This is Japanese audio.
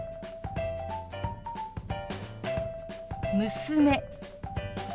「娘」。